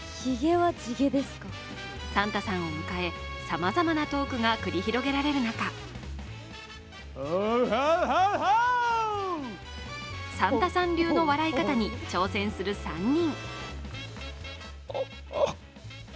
サンタさんも迎えさまざまなトークが繰り広げられる中サンタさん流の笑い方に挑戦する３人。